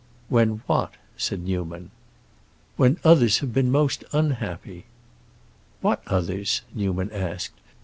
"When what?" said Newman. "When others have been most unhappy!" "What others?" Newman asked.